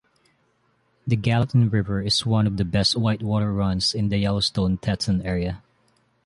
The Gallatin River is one of the best whitewater runs in the Yellowstone-Teton Area.